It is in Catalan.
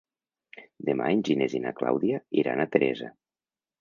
Demà en Genís i na Clàudia iran a Teresa.